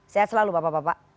sehat selalu bapak bapak